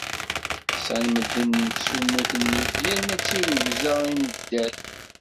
Ḥṣan medden nettsummut nnif yerna d tirugza i neddal.